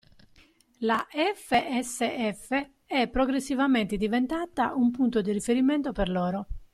La FSF è progressivamente diventata un punto di riferimento per loro.